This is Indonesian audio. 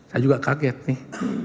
saya juga kaget nih